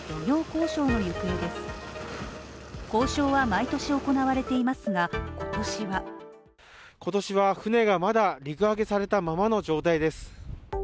交渉は毎年行われていますが、今年は今年は船がまだ陸揚げされたままの状態です。